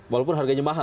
walaupun harganya mahal